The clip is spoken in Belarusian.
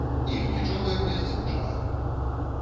Іх нічога не засмучала!